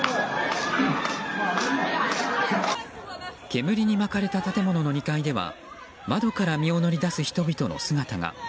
煙に巻かれた建物の２階では窓から身を乗り出す人々の姿が。